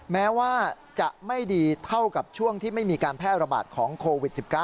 แม้ว่าจะไม่ดีเท่ากับช่วงที่ไม่มีการแพร่ระบาดของโควิด๑๙